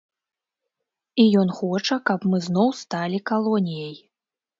І ён хоча, каб мы зноў сталі калоніяй.